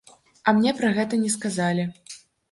А мне пра гэта не сказалі.